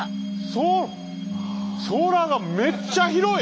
そ空がめっちゃ広い！